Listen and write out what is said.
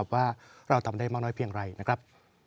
ว่าเราทำได้มากน้อยเพียงไรนะครับ